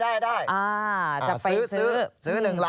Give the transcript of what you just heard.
อ่าจะไปซื้อ